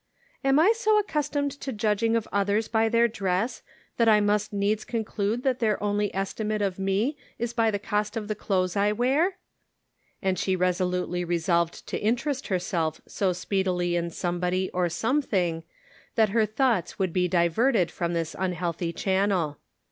"Am I so accustomed to judging of others by their dress that I must needs conclude that their only estimate of me is by the cost of the clothes I wear ?" and she resolutely resolved to interest herself so speedily in somebody or something that her thoughts would be diverted from this un healthy channel.